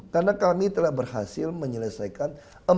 karena kami telah berhasil menyelesaikan